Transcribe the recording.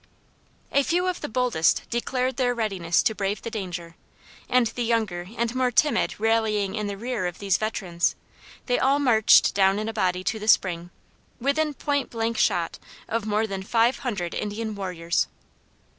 A few of the boldest declared their readiness to brave the danger, and the younger and more timid rallying in the rear of these veterans, they all marched down in a body to the spring, within point blank shot of more than five hundred Indian warriors!